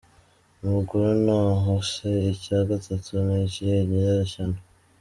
Umugore: Naho se icya gatatu ni ikihe nyirashyano?.